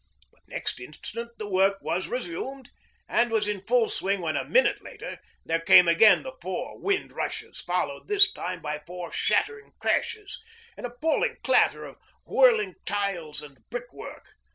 But next instant the work was resumed, and was in full swing when a minute later there came again the four wind rushes, followed this time by four shattering crashes, an appalling clatter of whirling tiles and brick work.